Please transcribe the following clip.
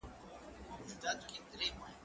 زه کولای سم مکتب ته لاړ شم!.